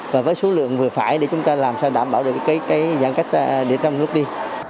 và với số lượng vừa phải để chúng ta làm sao đảm bảo được cái giãn cách để trong nước đi